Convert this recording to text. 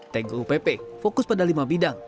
tgupp fokus pada lima bidang